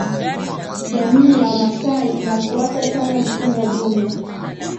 Jamii ya Wamasai inafuata sana mfumo dume